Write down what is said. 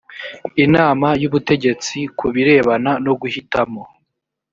inama y ubutegetsi ku birebana no guhitamo